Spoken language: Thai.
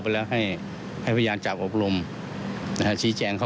และให้มันชัดเจน